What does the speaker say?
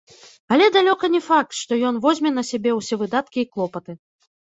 Але далёка не факт, што ён возьме на сябе ўсе выдаткі і клопаты.